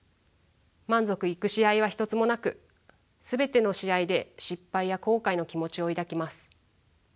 満足いく試合は一つもなく全ての試合で失敗や後悔の気持ちを抱きます。